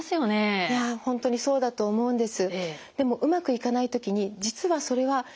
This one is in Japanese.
いや本当にそうだと思うんです。